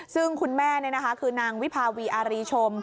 ซึ่งคุณแม่คือนางวิภาวีอารีชม